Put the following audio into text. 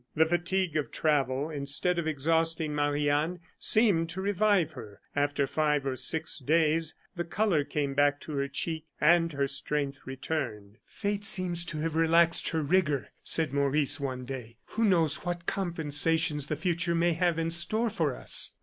The fatigue of travel, instead of exhausting Marie Anne, seemed to revive her. After five or six days the color came back to her cheek and her strength returned. "Fate seems to have relaxed her rigor," said Maurice, one day. "Who knows what compensations the future may have in store for us!"